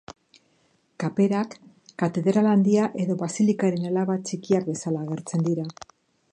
Kaperak, Katedral Handia edo Basilikaren alaba txikiak bezala agertzen dira.